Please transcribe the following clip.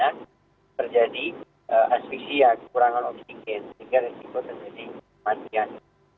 sehingga resiko terjadi kematian